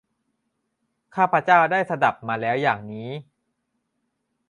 ข้าพเจ้าได้สดับมาแล้วอย่างนี้